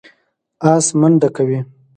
آس منډه کوي.